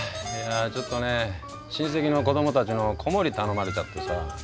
いやちょっとね親戚の子どもたちの子守頼まれちゃってさ。